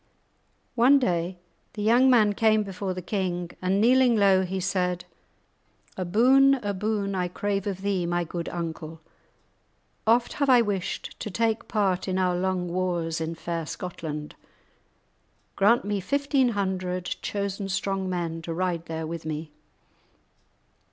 One day the young man came before the king, and kneeling low, he said, "A boon, a boon I crave of thee, my good uncle. Oft have I wished to take part in our long wars in fair Scotland. Grant me fifteen hundred chosen strong men to ride there with me."